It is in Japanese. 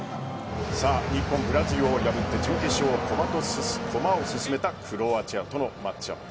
日本、ブラジルを破って準決勝へと駒を進めたクロアチアとのマッチアップ。